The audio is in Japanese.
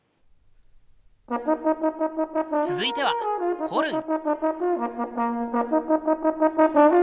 続いてはホルン！